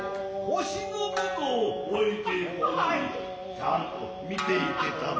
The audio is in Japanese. ちゃんと見ていてたもう。